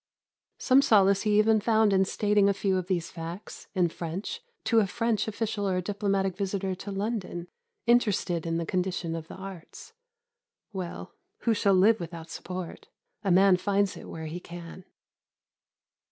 Some solace he even found in stating a few of these facts, in French, to a French official or diplomatic visitor to London, interested in the condition of the arts. Well, who shall live without support? A man finds it where he can.